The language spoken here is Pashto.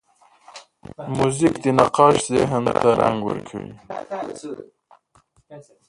موزیک د نقاش ذهن ته رنګ ورکوي.